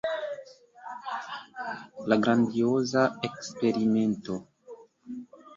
La grandioza Eksperimento.